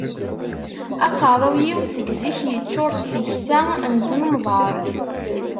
Aqaruy-iw, seg zik, yeččur d tikta n tnemḍar.